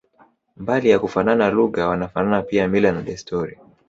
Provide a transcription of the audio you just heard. Mbali ya kufanana lugha wanafanana pia mila na desturi